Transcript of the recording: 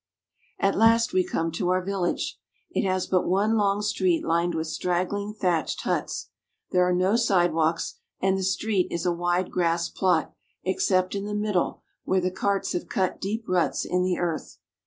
At last we come to our village. It has but one long street lined with straggling thatched huts. There are no sidewalks, and the street is a wide grass plot, except in the middle, where the carts have cut deep ruts in the earth.